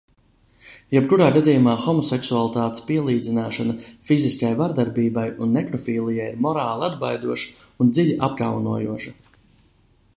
Jebkurā gadījumā homoseksualitātes pielīdzināšana fiziskai vardarbībai un nekrofilijai ir morāli atbaidoša un dziļi apkaunojoša.